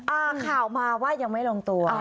อ่าข่าวมาว่ายังไม่ลงตัว